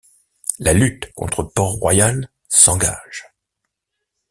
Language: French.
La lutte contre Port-Royal s’engage.